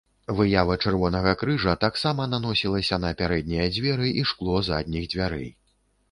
Выява чырвонага крыжа таксама наносілася на пярэднія дзверы і шкло задніх дзвярэй.